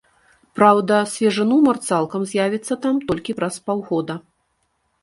Праўда, свежы нумар цалкам з'явіцца там толькі праз паўгода.